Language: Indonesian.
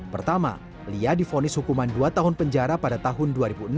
pertama lia difonis hukuman dua tahun penjara pada tahun dua ribu enam